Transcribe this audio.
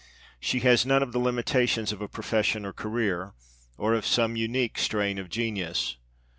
She has none of the limitations of a profession or career, or of some unique strain of genius.